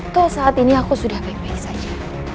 toh saat ini aku sudah baik baik saja